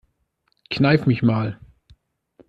Kneif mich mal.